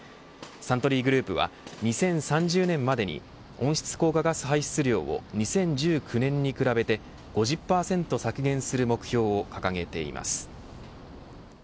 サントリーグループは２０３０年までに温室効果ガス排出量を２０１９年に比べて５０％削減する目標を掲げています。